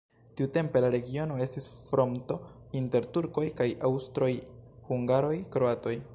Tiutempe la regiono estis fronto inter turkoj kaj aŭstroj-hungaroj-kroatoj.